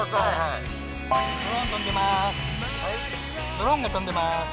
ドローンが飛んでます。